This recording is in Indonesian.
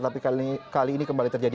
tapi kali ini kembali terjadi